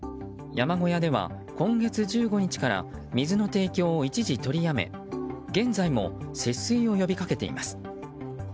山小屋では今月１５日から水の提供を一時取りやめ現在も節水を呼び掛けています。